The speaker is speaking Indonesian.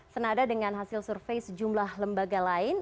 senada dengan hasil survei sejumlah lembaga lain